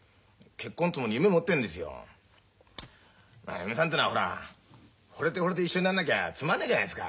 嫁さんてのはほらほれてほれて一緒になんなきゃつまんないじゃないすか。